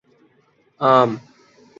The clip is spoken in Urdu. عام